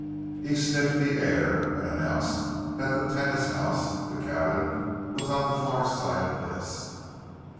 He sniffed the air and announced that the tenas house, the cabin, was on the far side of this.